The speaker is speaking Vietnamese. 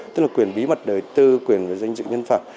tức là quyền bí mật đời tư quyền về danh dự nhân phẩm